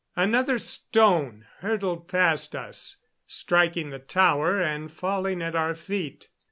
Another stone hurtled past us, striking the tower and falling at our feet.